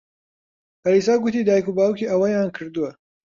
پەریسا گوتی دایک و باوکی ئەوەیان کردووە.